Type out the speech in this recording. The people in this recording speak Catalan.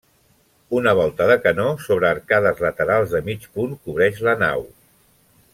Una volta de canó sobre arcades laterals de mig punt cobreix la nau.